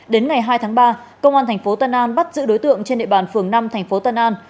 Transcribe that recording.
đến ngày hai tháng ba công an thành phố tân an bắt giữ đối tượng trên địa bàn phường năm thành phố tân an